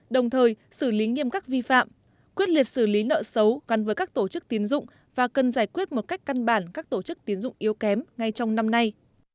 đồng thời xử lý nghiêm các vi phạm quyết liệt xử lý nợ xấu gắn với các tổ chức tiến dụng và cần giải quyết một cách căn bản các tổ chức tiến dụng yếu kém ngay trong năm nay